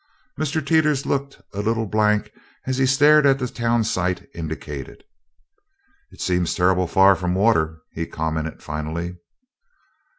Mr. Teeters looked a little blank as he stared at the town site indicated. "It seems turrible fur from water," he commented finally.